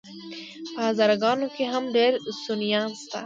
په هزاره ګانو کي هم ډير سُنيان شته